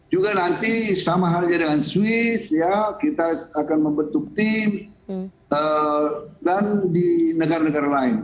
juga nanti sama halnya dengan swiss ya kita akan membentuk tim dan di negara negara lain